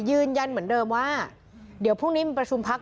ยืนยันเหมือนเดิมว่าเดี๋ยวพรุ่งนี้มันประชุมพัก